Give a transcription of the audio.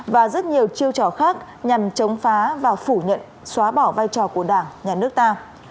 và rất nhiều chiêu trò khác nhằm chống phá và phủ nhận xóa bỏ vai trò của đảng nhà nước ta